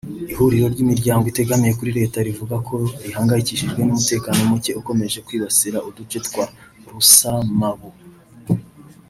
Ihuriro ry’imiryango itegamiye kuri leta rivuga ko rihangayikishijwe n’umutekano muke ukomeje kwibasira uduce twa Rusamabu